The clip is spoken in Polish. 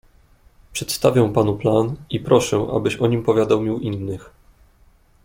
"Przedstawię panu plan i proszę, abyś o nim powiadomił innych."